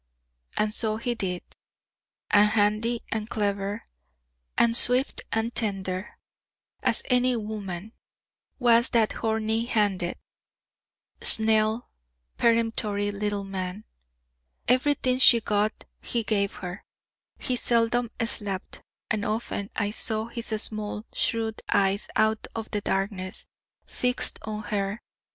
And so he did; and handy and clever, and swift and tender as any woman, was that horny handed, snell, peremptory little man. Everything she got he gave her; he seldom slept; and often I saw his small, shrewd eyes out of the darkness, fixed on her.